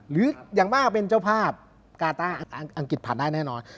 อย่างมากเป็นเจ้าภาพกาต้าอังกฤษผ่านได้แน่นอน